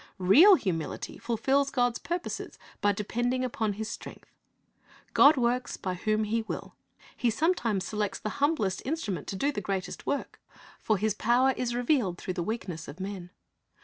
Real humility fulfils God's purpo.ses b\" depending upon His strength. God works by whom He will. He sometimes selects the humblest instrument to do the greatest work; for His iLuko 12 :4s 364 Christ^s Object Lessons power is revealed through the weakness of men.